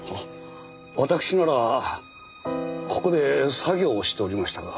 私ならここで作業をしておりましたが。